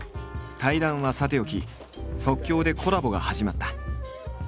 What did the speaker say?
対談はさておき即興でコラボが始まった。